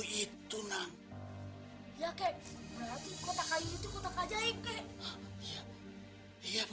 hai ya kek berarti kota kayu itu kota kajaib kek iya betul